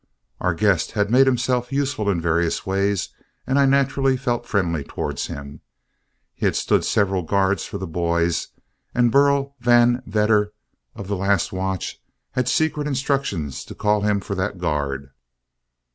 Our guest had made himself useful in various ways, and I naturally felt friendly towards him. He had stood several guards for the boys, and Burl Van Vedder, of the last watch, had secret instructions to call him for that guard.